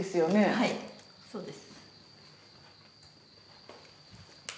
はいそうです。